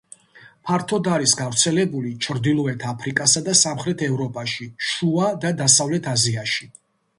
ფართოდ არის გავრცელებული ჩრდილოეთ აფრიკასა და სამხრეთ ევროპაში, შუა და დასავლეთ აზიაში.